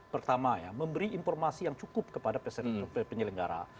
pertama ya memberi informasi yang cukup kepada penyelenggara